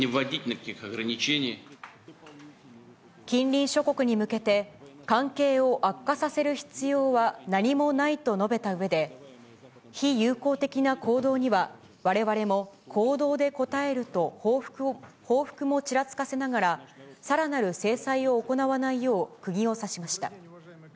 近隣諸国に向けて、関係を悪化させる必要は何もないと述べたうえで、非友好的な行動にはわれわれも行動で応えると報復もちらつかせながら、さらなる制裁を行わないよう、くぎを刺しました。